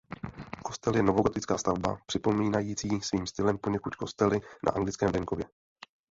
Kostel je novogotická stavba připomínající svým stylem poněkud kostely na anglickém venkově.